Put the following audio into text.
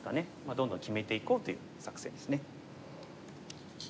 どんどん決めていこうという作戦ですね。